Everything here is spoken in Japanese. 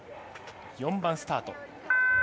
４番スタート。